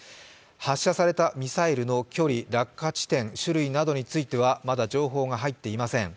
発射されたミサイルの距離、落下地点、種類などについては、まだ情報が入っていません。